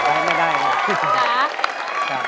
ก็ต้องหยุดล่ะค่ะ